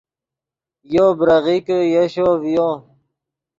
یو بریغیکے یشو ڤیو